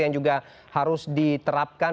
yang juga harus diterapkan